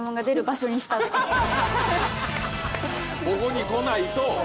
ここに来ないと。